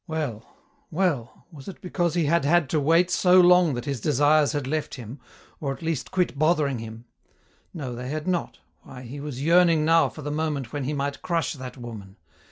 Well, well, was it because he had had to wait so long that his desires had left him, or at least quit bothering him no, they had not, why, he was yearning now for the moment when he might crush that woman!